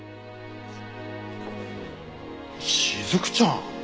雫ちゃん。